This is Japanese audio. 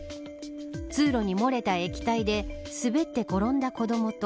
通路に漏れた液体で滑って転んだ子どもと